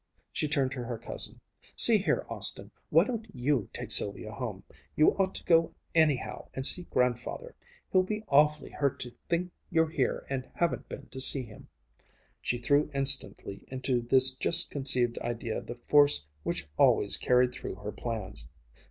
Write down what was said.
She turned to her cousin. "See here, Austin, why don't you take Sylvia home? You ought to go anyhow and see Grandfather. Hell be awfully hurt to think you're here and haven't been to see him." She threw instantly into this just conceived idea the force which always carried through her plans.